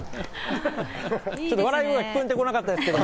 笑い声が聞こえてこなかったですけども。